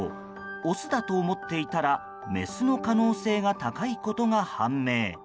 オスだと思っていたらメスの可能性が高いことが判明。